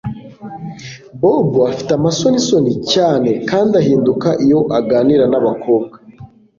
Bob afite amasonisoni cyane kandi ahinduka iyo aganira nabakobwa